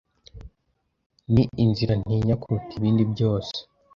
Ni inzara ntinya kuruta ibindi byose